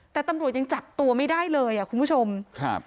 แต่ตำรวจยังจับตัวไม่ได้เลยอ่ะคุณผู้ชมครับ